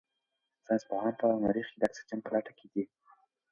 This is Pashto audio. ساینس پوهان په مریخ کې د اکسیجن په لټه کې دي.